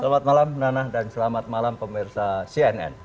selamat malam nana dan selamat malam pemirsa cnn